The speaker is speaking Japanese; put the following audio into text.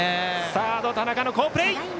サード、田中の好プレー。